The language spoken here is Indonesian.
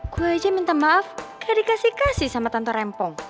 gue aja minta maaf gak dikasih kasih sama tante rempol